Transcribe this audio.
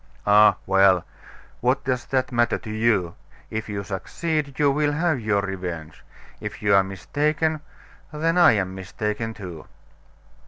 "Ah, well! what does that matter to you? If you succeed, you will have your revenge. If you are mistaken then I am mistaken, too."